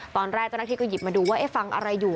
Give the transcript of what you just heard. ตอนแรกเจ้าหน้าที่ก็หยิบมาดูว่าเอ๊ะฟังอะไรอยู่